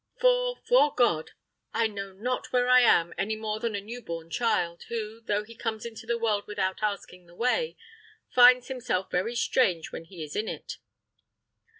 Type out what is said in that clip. "For, 'fore God! I know not where I am any more than a new born child, who, though he comes into the world without asking the way, finds himself very strange when he is in it."